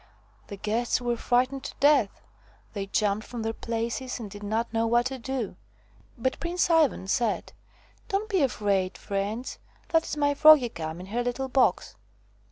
The guests were frightened to death; they jumped from their places and did not know what to do. But Prince Ivan said: "Don't be afraid, friends! That is my Froggie come in her little box."